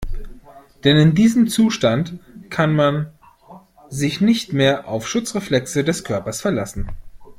Denn in diesem Zustand kann man sich nicht mehr auf Schutzreflexe des Körpers verlassen.